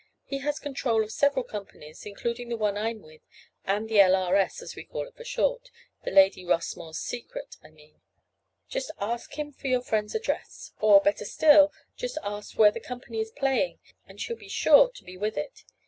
He has control of several companies, including the one I'm with and the L. R. S. as we call it for short, the 'Lady Rossmore's Secret' I mean. Just ask him for your friend's address—or, better still, just ask where the company is playing and she'll be sure to be with it.